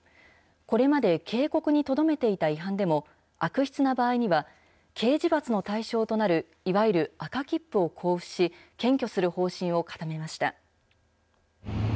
これまで警告にとどめていた違反でも、悪質な場合には刑事罰の対象となるいわゆる赤切符を交付し、検挙する方針を固めました。